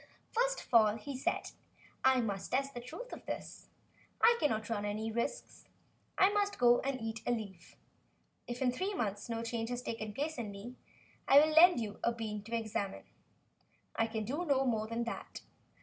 "First of all," he said, "I must test the truth of this. I cannot run any risks. I must go and eat a leaf. If in three months no change has taken place in me, I will lend you a bean to examine. I can do no more than that.